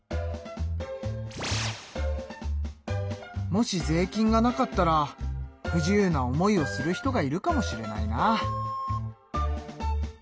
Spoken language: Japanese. もし税金がなかったら不自由な思いをする人がいるかもしれないなあ。